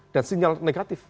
dan sinyal negatif